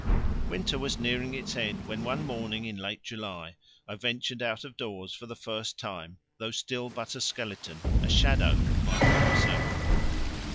Winter was nearing its end when one morning in late July I ventured out of doors for the first time, though still but a skeleton, a shadow of my former self.